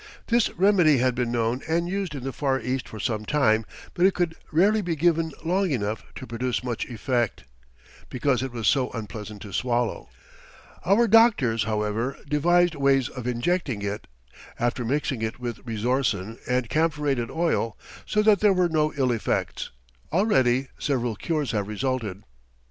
This remedy had been known and used in the Far East for some time, but it could rarely be given long enough to produce much effect, because it was so unpleasant to swallow. Our doctors, however, devised ways of injecting it, after mixing it with resorcin and camphorated oil, so that there were no ill effects. Already several cures have resulted.